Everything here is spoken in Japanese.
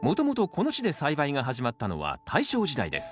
この地で栽培が始まったのは大正時代です。